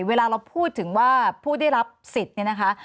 เวลาเราพูดถึงว่าผู้ได้รับสิทธิ์เนี่ยนะคะ